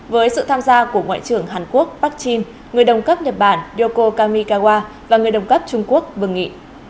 với sự tham gia của ngoại trưởng hàn quốc park chin người đồng cấp nhật bản yoko kamikawa và người đồng cấp trung quốc vương nghị